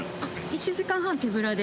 １時間半手ぶらで？